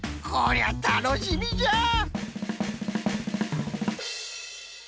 こりゃたのしみじゃ！